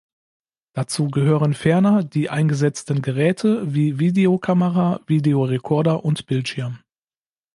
Dazu gehören ferner die eingesetzten Geräte, wie Videokamera, Videorekorder und Bildschirm.